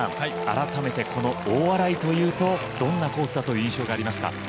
改めてこの大洗というとどんなコースだという印象がありますか？